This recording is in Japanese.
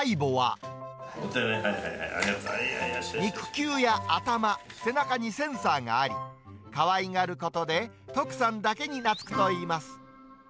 肉球や頭、背中にセンサーがあり、かわいがることで、徳さんだけに懐くといいます。